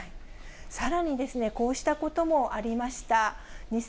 さらに、こうしたこともありました。